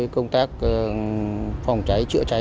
công tác phòng cháy chữa cháy